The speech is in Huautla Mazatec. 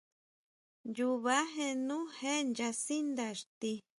Nnyuba jénú je nyasíndá ixti.